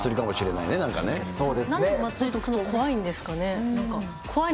なんで怖いんですかね？